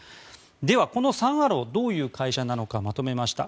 では、このサン・アローどういう会社なのかまとめました。